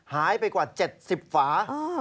หายไปกว่า๗๐ฝา